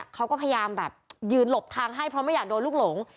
เขาก็พยายามแบบยืนหลบทางให้เพราะไม่อยากโดนลูกหลง